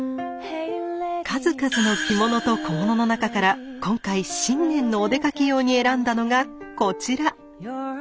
数々の着物と小物の中から今回新年のお出かけ用に選んだのがこちら。